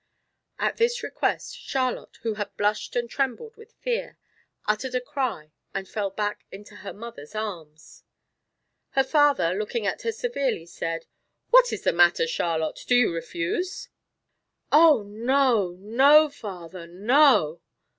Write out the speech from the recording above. At this request, Charlotte, who had blushed and trembled with fear, uttered a cry and fell back into her mother's arms. Her father looking at her severely, said: "What is the matter, Charlotte? Do you refuse?" "Oh, no, no, father no!"